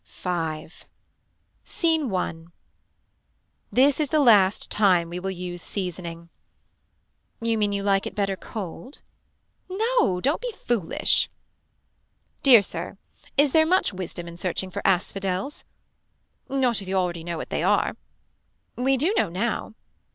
_ Scene 1. This is the last time we will use seasoning. You mean you like it better cold. No don't be foolish. Dear Sir. Is there much wisdom in searching for asphodels. Not if you already know what they are. We do know now.